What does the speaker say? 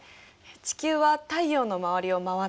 地球は太陽の周りを回っている。